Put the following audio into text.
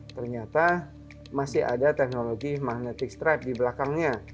ternyata masih ada teknologi magnetic stripe di belakangnya